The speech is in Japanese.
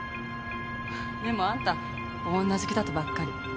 でもあんた女好きだとばっかり。